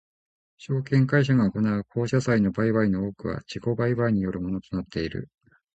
証券会社が行う公社債の売買の多くは自己売買によるものとなっている。